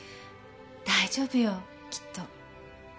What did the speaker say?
大丈夫よきっと。